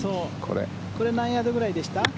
これ何ヤードくらいでした？